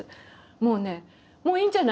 もうねもういいんじゃない？